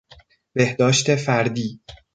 بهداشت فردی